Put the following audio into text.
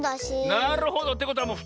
なるほど！ってことはもう２つきえた。